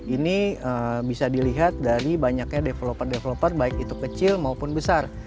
ini bisa dilihat dari banyaknya developer developer baik itu kecil maupun besar